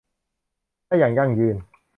ได้อย่างยั่งยืน